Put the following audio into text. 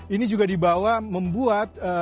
ini juga dibawa membuat